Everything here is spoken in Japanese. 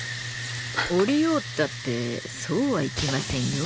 降りようったってそうはいきませんよ。